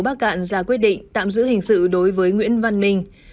bạn ra quyết định tạm giữ hình sự đối với nguyễn văn minh